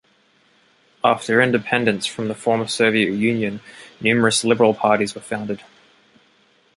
After independence from the former Soviet Union numerous liberal parties were founded.